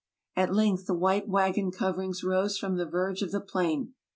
At length the white wagon coverings rose from the verge of the plain.